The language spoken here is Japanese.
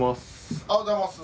おはようございます。